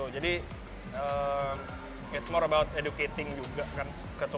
jadi it's more about educating juga kan